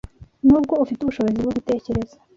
Nubwo ufite ubushobozi bwo gutekereza